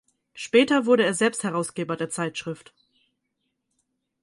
Später wurde er selbst Herausgeber der Zeitschrift.